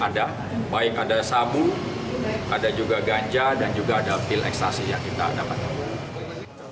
ada baik ada sabu ada juga ganja dan juga ada pil ekstasi yang kita dapatkan